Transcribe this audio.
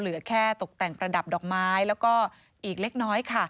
เหลือแค่ตกแต่งประดับดอกไม้แล้วก็อีกเล็กน้อยค่ะ